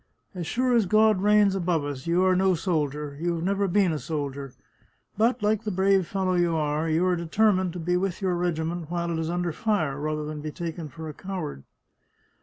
As sure as God reigns above us, you are no soldier; you have never been a soldier! But, like the brave fellow 3^ The Chartreuse of Parma you are, you are determined to be with your regiment while it is under fire rather than be taken for a coward."